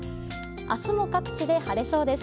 明日も各地で晴れそうです。